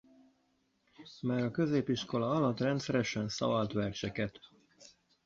Már a középiskola alatt rendszeresen szavalt verseket.